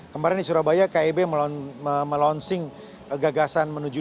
kemarin di surabaya keb melonsing gagasan menuju dua ribu dua puluh empat